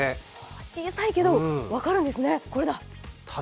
小さいけど分かるんですね、これだ。